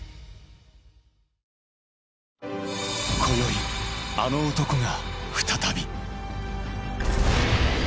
今宵、あの男が、再び。